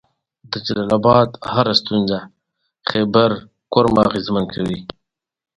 د مرستو زیاته برخه په منشور کې وړاندوینه شوې.